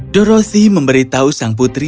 dorothy memberitahu sang putri